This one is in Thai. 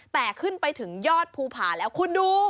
แต่ขึ้นไปถึงยอดภูผาแล้วคุณดู